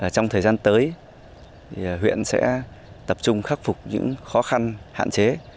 trong thời gian tới huyện sẽ tập trung khắc phục những khó khăn hạn chế